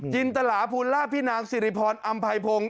จินตะหาภูล่าพี่นางสิริโพนอำไพ้พงค์